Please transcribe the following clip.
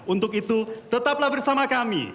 untuk itu tetaplah bersama kami